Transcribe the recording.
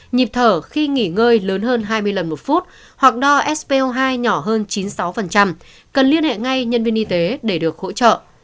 nhịp thở khi nghỉ ngơi lớn hơn hai mươi lần một phút hoặc đo spo hai nhỏ hơn chín mươi sáu cần liên hệ ngay nhân viên y tế để được hỗ trợ